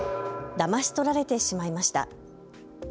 だまし取られてしまいました。